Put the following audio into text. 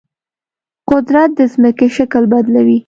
قدرت د ځمکې شکل بدلوي.